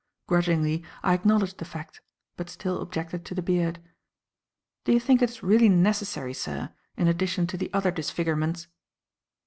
Grudgingly, I acknowledged the fact, but still objected to the beard. "Do you think it is really necessary, sir, in addition to the other disfigurements?"